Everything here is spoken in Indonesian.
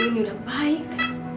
ibu ini udah baik